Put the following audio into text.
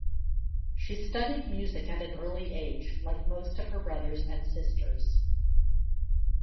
She studied music at an early age like most of her brothers and sisters.